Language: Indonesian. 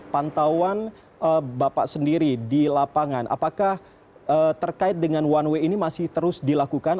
pantauan bapak sendiri di lapangan apakah terkait dengan one way ini masih terus dilakukan